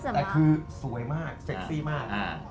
แต่คือสวยมากเซ็กซี่มาก